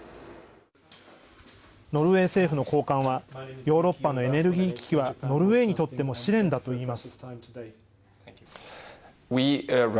ノルウェー政府の高官はヨーロッパのエネルギー危機はノルウェーにとっても試練だと言います。